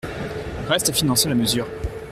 Reste à financer la mesure.